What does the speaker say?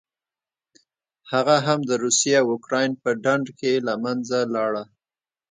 هغه هم د روسیې او اوکراین په ډنډ کې له منځه لاړه.